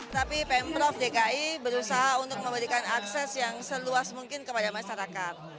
tapi pemprov dki berusaha untuk memberikan akses yang seluas mungkin kepada masyarakat